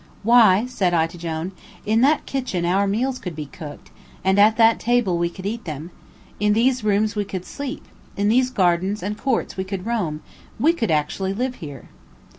"Why," said I to Jone, "in that kitchen our meals could be cooked; at that table we could eat them; in these rooms we could sleep; in these gardens and courts we could roam; we could actually live here!"